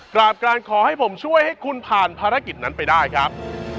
กราบการขอให้ผมช่วยให้คุณผ่านภารกิจนั้นไปได้ครับ